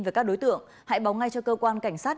về các đối tượng hãy báo ngay cho cơ quan cảnh sát